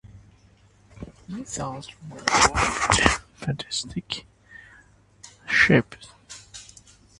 My thoughts wear wild, fantastic, unhewn shapes.